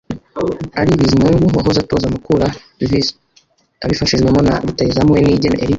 Ally Bizimungu wahoze atoza Mukura Vs abifashijwemo na rutahizamu we Niyigena Eric